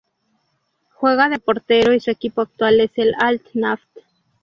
Juega de portero y su equipo actual es el Al-Naft.